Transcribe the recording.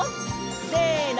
せの！